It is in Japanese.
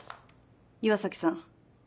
岩崎さん